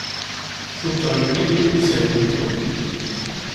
Cukkeɣ yella kra i d-ittheyyi Tom.